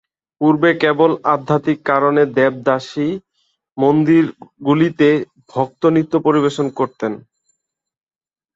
পূর্বে, কেবল আধ্যাত্মিক কারণে দেবদাসী মন্দিরগুলিতে ভক্ত নৃত্য পরিবেশন করতেন।